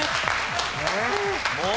もう！